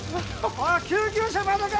おい救急車まだか？